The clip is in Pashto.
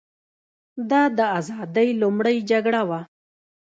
دا د ازادۍ لومړۍ جګړه وه.